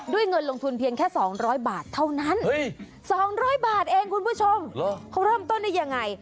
เงินลงทุนเพียงแค่๒๐๐บาทเท่านั้น๒๐๐บาทเองคุณผู้ชมเขาเริ่มต้นได้ยังไง